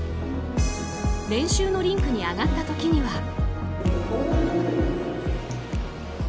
練習のリンクに上がった時には。